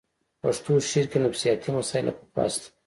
پښتو شعر کې نفسیاتي مسایل له پخوا شته